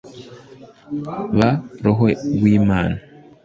b roho w'imana